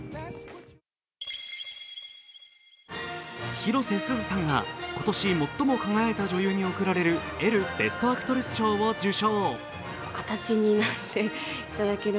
広瀬すずさんが今年最も輝いた女優に贈られるエルベストアクトレス賞を受賞。